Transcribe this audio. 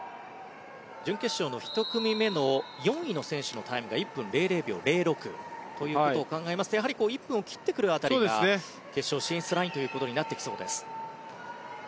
準決勝の１組目の４位の選手が１分００秒０６ということを考えますとやはり１分を切ってくる辺りが決勝進出ラインとなってきそうです。